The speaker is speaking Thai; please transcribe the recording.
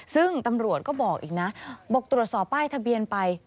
ซึ่งตำรวจก็บอกอีกนะบอกตรวจสอบป้ายทะเบียนไป